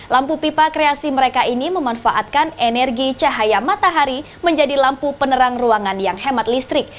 lampu pipa kreasi mereka ini memanfaatkan energi cahaya matahari menjadi lampu penerang ruangan yang hemat listrik